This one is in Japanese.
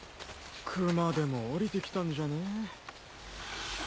熊でもおりてきたんじゃねえ？